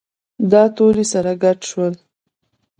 دا توري سره ګډ شول.